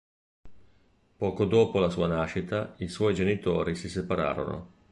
Poco dopo la sua nascita, i suoi genitori si separarono.